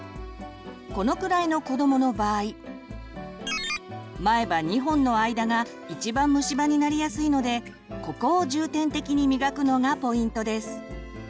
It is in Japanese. このくらいの子どもの場合前歯２本の間がいちばん虫歯になりやすいのでここを重点的に磨くのがポイントです。